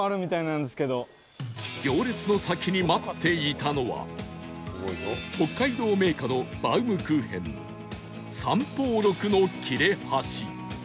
行列の先に待っていたのは北海道銘菓のバウムクーヘン三方六の切れ端